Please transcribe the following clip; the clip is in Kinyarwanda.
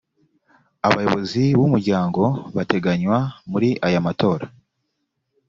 abayobozi b umuryango bateganywa muri aya matora